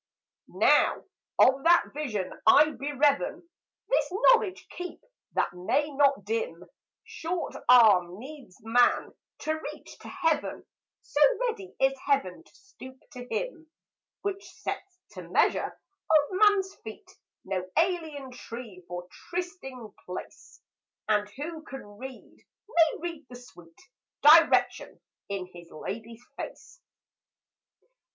Now of that vision I bereaven This knowledge keep, that may not dim: Short arm needs man to reach to Heaven, So ready is Heaven to stoop to him; Which sets, to measure of man's feet, No alien Tree for trysting place; And who can read, may read the sweet Direction in his Lady's face.